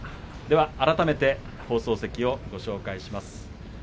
改めて放送席をご紹介します。